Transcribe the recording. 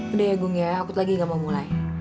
udah ya gung ya akut lagi gak mau mulai